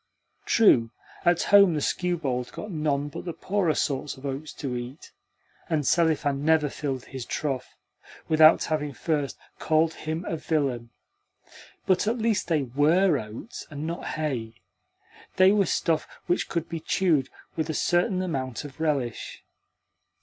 True, at home the skewbald got none but the poorer sorts of oats to eat, and Selifan never filled his trough without having first called him a villain; but at least they WERE oats, and not hay they were stuff which could be chewed with a certain amount of relish.